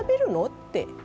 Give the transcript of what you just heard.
って。